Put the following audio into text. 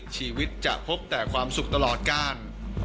ชีวิตจะพบแต่ความสุขตลอดการ